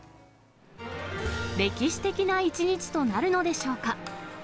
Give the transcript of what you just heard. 歴史的な一日となるのでしょうか。